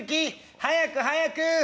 早く早く」。